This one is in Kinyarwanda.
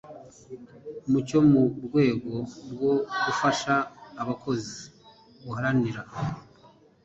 mucyo mu rwego rwo gufasha abakozi guharanira